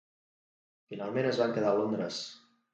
Finalment es van quedar a Londres.